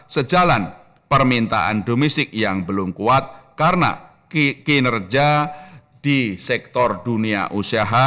sejalan permintaan domestik yang belum kuat karena kinerja di sektor dunia usaha